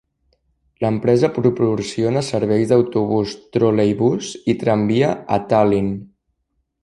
L'empresa proporciona serveis d'autobús, troleibús i tramvia a Tallinn.